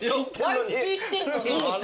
毎月行ってんのに。